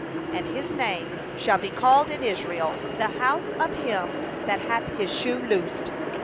10And his name shall be called in Israel The house of him that had his shoe loosed.